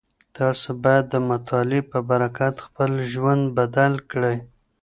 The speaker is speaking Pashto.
تاسو بايد د مطالعې په برکت خپل ژوند بدل کړئ.